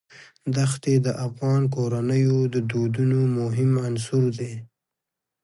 دښتې د افغان کورنیو د دودونو مهم عنصر دی.